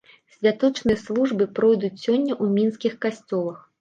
Святочныя службы пройдуць сёння ў мінскіх касцёлах.